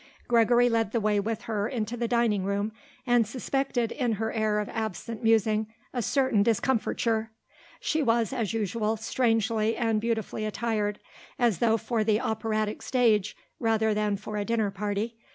Gregory led the way with her into the dining room and suspected in her air of absent musing a certain discomfiture. She was, as usual, strangely and beautifully attired, as though for the operatic stage rather than for a dinner party.